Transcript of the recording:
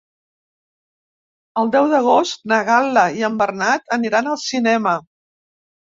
El deu d'agost na Gal·la i en Bernat aniran al cinema.